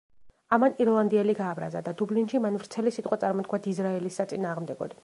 ამან ირლანდიელი გააბრაზა და დუბლინში მან ვრცელი სიტყვა წარმოთქვა დიზრაელის საწინააღმდეგოდ.